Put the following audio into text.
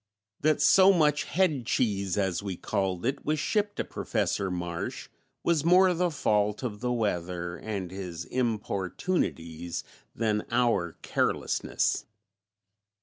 That so much "head cheese," as we called it, was shipped to Professor Marsh was more the fault of the weather and his importunities than our carelessness.